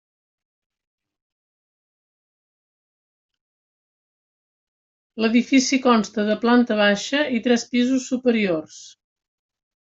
L'edifici consta de planta baixa i tres pisos superiors.